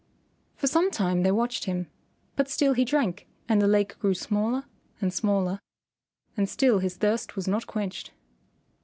For some time they watched him, but still he drank and the lake grew smaller and smaller and still his thirst was not quenched.